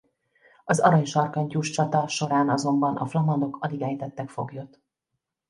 Az Aranysarkantyús csata során azonban a flamandok alig ejtettek foglyot.